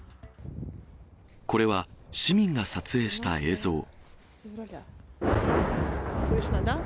これは、市民が撮影した映像。